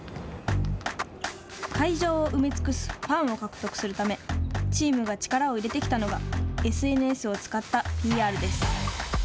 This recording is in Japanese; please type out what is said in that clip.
会場を埋め尽くすファンを獲得するためチームが力を入れてきたのがＳＮＳを使ったピーアールです。